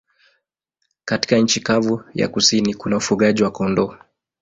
Katika nchi kavu ya kusini kuna ufugaji wa kondoo.